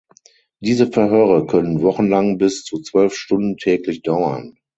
Diese Verhöre können wochenlang bis zu zwölf Stunden täglich dauern.